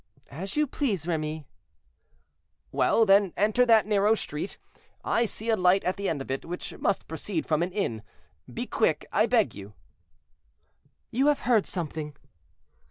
"As you please, Remy." "Well, then, enter that narrow street. I see a light at the end of it, which must proceed from an inn. Be quick, I beg you." "You have heard something?"